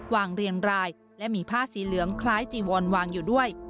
เรียงรายและมีผ้าสีเหลืองคล้ายจีวอนวางอยู่ด้วย